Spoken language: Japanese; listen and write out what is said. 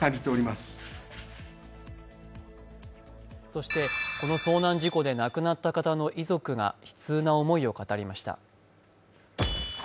そしてこの遭難事故で亡くなった方の遺族が悲痛な思いを語りました。